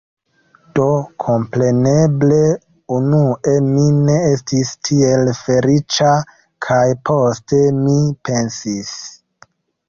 Do, kompreneble, unue mi ne estis tiel feliĉa kaj poste mi pensis: